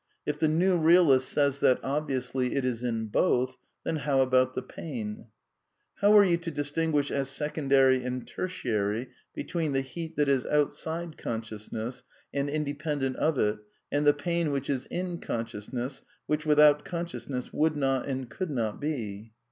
H the new realist says that, obviously, it is in both, then how about the pain ? How are you to distinguish as secondary and tertiary between the heat that is outside consciousness, and inde pendent of it, and the pain which is in consciousness, which without consciousness would not and could not be?